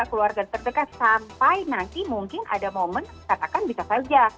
keluarga terdekat sampai nanti mungkin ada momen katakan bisa saja